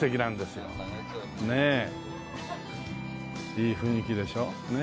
いい雰囲気でしょ？ねえ。